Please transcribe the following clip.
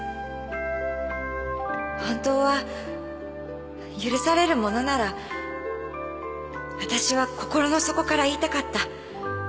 本当は許されるものならわたしは心の底から言いたかった。